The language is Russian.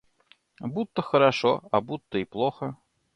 Будто хорошо, а будто и плохо.